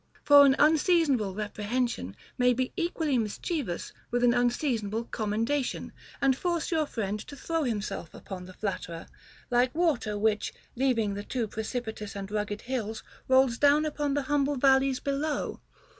For an unseasonable reprehension may be equally mischievous with an unseasonable com mendation, and force your friend to throw himself upon the flatterer ; like water which, leaving the too precipi tous and rugged hills, rolls down upon the humble val leys below.